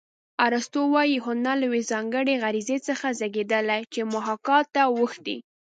ارستو وايي هنر له یوې ځانګړې غریزې څخه زېږېدلی چې محاکات ته اوښتې